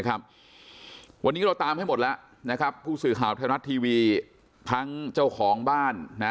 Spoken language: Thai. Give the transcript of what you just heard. วันนี้เราตามให้หมดแล้วนะครับผู้สื่อข่าวไทยรัฐทีวีทั้งเจ้าของบ้าน